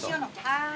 はい。